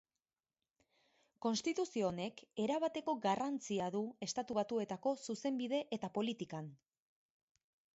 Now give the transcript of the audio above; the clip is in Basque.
Konstituzio honek erabateko garrantzia du Estatu Batuetako zuzenbide eta politikan.